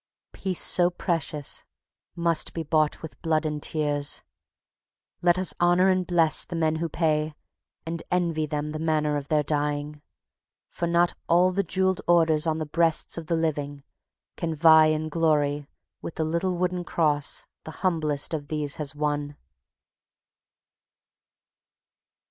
Peace so precious must be bought with blood and tears. Let us honor and bless the men who pay, and envy them the manner of their dying; for not all the jeweled orders on the breasts of the living can vie in glory with the little wooden cross the humblest of these has won.